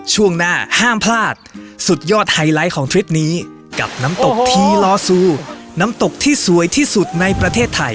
ช่วงหน้าห้ามพลาดสุดยอดไฮไลท์ของทริปนี้กับน้ำตกทีลอซูน้ำตกที่สวยที่สุดในประเทศไทย